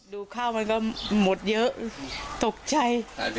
ดูข้าวมันก็หมดเยอะตกใจ